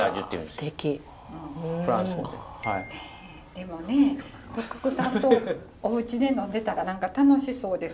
でもね六角さんとおうちで呑んでたら何か楽しそうです。